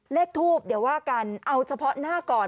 เลขทูบเดี๋ยวว่ากันเอาเฉพาะหน้าก่อน